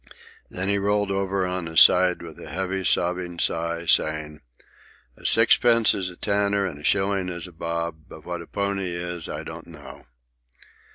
Then he rolled over on his side with a heavy, sobbing sigh, saying: "A sixpence is a tanner, and a shilling a bob; but what a pony is I don't know."